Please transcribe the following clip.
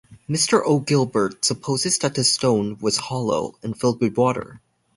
Mr. O. Gilbert supposes that the stone was hollow and filled with water.